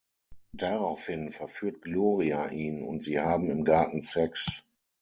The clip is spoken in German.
Daraufhin verführt Gloria ihn und sie haben im Garten Sex.